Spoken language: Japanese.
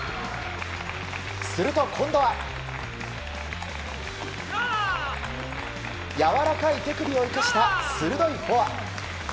すると今度は、やわらかい手首を生かした鋭いフォア。